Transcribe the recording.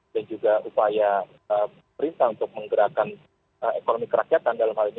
dan juga upaya perintah untuk menggerakkan ekonomi kerakyatan dalam hal ini